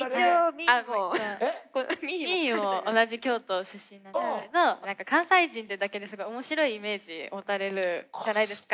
ＭＩＩＨＩも同じ京都出身なんですけど何か関西人ってだけですごい面白いイメージ持たれるじゃないですか。